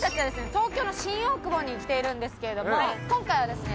東京の新大久保に来ているんですけれども今回はですね